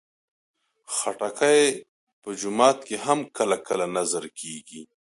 خټکی په جومات کې هم کله کله نذر کېږي.